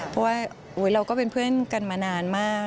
เพราะว่าเราก็เป็นเพื่อนกันมานานมาก